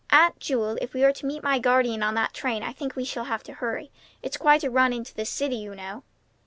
"Aunt Jewel, if we are to meet my guardian on that train, I think we shall have to hurry. It's quite a run into the city, you know."